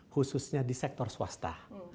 khususnya di sektor swasta